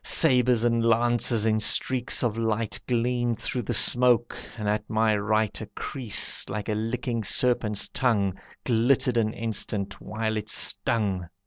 Sabres and lances in streaks of light Gleamed through the smoke, and at my right A creese, like a licking serpent's tongue, Glittered an instant, while it stung.